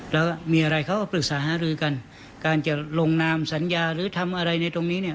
แล้วมีอะไรเขาก็ปรึกษาหารือกันการจะลงนามสัญญาหรือทำอะไรในตรงนี้เนี่ย